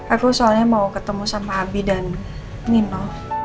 aku soalnya mau ketemu sama abi dan nino